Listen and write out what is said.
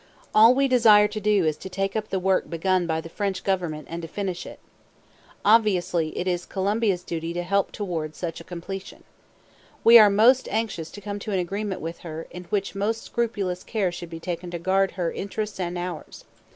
All we desire to do is to take up the work begun by the French Government and to finish it. Obviously it is Colombia's duty to help towards such completion. We are most anxious to come to an agreement with her in which most scrupulous care should be taken to guard her interests and ours.